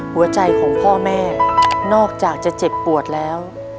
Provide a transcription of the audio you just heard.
หัวใจของพ่อแม่นอกจากจะเจ็บปวดแล้ว